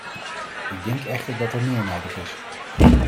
Ik denk echter dat er meer nodig is.